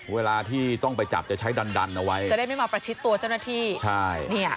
เวลาที่ต้องไปจับจะใช้ดันดันเอาไว้จะได้ไม่มาประชิดตัวเจ้าหน้าที่ใช่เนี่ย